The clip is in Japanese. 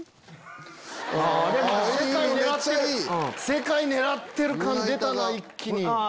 世界狙ってる感出たな一気に。